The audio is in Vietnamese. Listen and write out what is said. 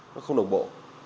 nó không đồng bộ